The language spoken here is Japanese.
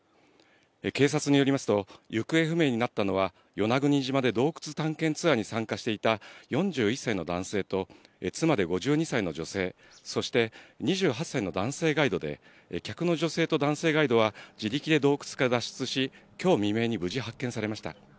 警察によりますと、行方不明になったのは与那国島で洞窟探検ツアーに参加していた４１歳の男性と、妻で５２歳の女性、そして２８歳の男性ガイドで、客の女性と男性ガイドは、自力で洞窟から脱出し、きょう未明に無事発見されました。